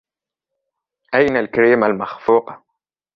أين الكريمة المخفوقة ؟